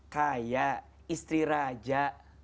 kayak istri raja